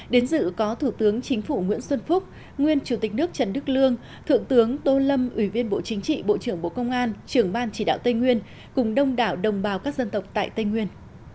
đến dự có thủ tướng chính phủ nguyễn xuân phúc nguyên chủ tịch nước trần đức lương thượng tướng tô lâm ủy viên bộ chính trị bộ trưởng bộ công an trưởng ban chỉ đạo tây nguyên cùng đông đảo đồng bào các dân tộc tại tây nguyên